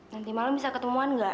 nanti malam bisa ketemuan nggak